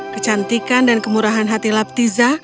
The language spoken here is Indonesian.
kecantikan dan kemurahan hati laptiza